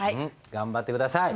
頑張って下さい。